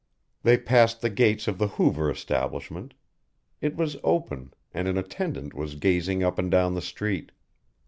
They passed the gates of the Hoover establishment. It was open, and an attendant was gazing up and down the street.